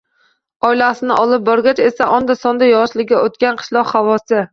Oilasini olib borgach esa, onda sonda yoshligi o‘tgan qishloq havosi